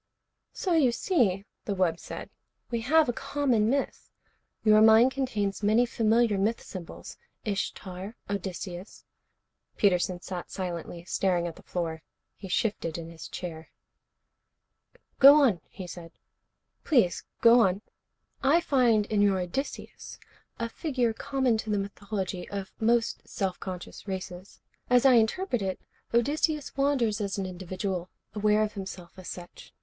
"So you see," the wub said, "we have a common myth. Your mind contains many familiar myth symbols. Ishtar, Odysseus " Peterson sat silently, staring at the floor. He shifted in his chair. "Go on," he said. "Please go on." "I find in your Odysseus a figure common to the mythology of most self conscious races. As I interpret it, Odysseus wanders as an individual, aware of himself as such.